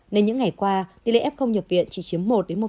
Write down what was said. nên những ngày qua tỷ lệ ép công nhập viện chỉ chiếm một một năm